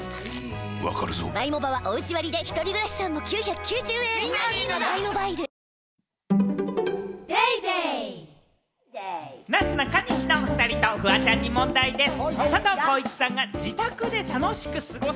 わかるぞなすなかにしのおふたりと、フワちゃんに問題です。